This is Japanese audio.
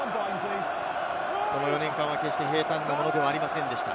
この４年間は決して平坦なものではありませんでした。